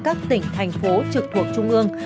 các tỉnh thành phố trực thuộc trung ương